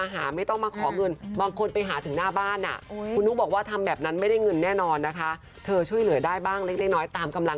จริงอันนี้ดิฉันไม่ได้พูดเองนะคะ